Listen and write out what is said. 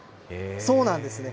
そうなんですね。